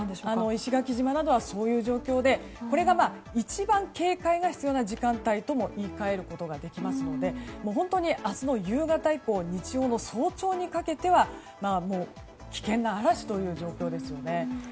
石垣島などはそういう状況でこれが一番警戒が必要な時間とも言い換えることができますので本当に明日の夕方以降日曜の早朝にかけては危険な嵐という状況ですよね。